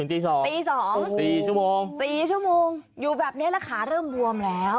ตี๒ตี๒๔ชั่วโมง๔ชั่วโมงอยู่แบบนี้แล้วขาเริ่มบวมแล้ว